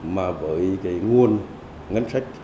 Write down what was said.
mà với cái nguồn ngân sách